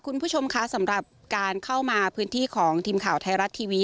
คุณผู้ชมคะสำหรับการเข้ามาพื้นที่ของทีมข่าวไทยรัฐทีวี